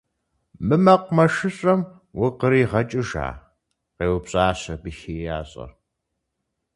Мы мэкъумэшыщӀэм укъригъэкӀыжа? - къеупщӀащ абы хеящӀэр.